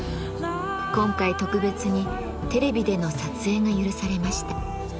今回特別にテレビでの撮影が許されました。